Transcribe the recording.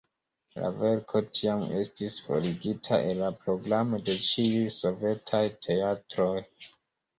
La verko tiam estis forigita el la programo de ĉiuj sovetaj teatroj.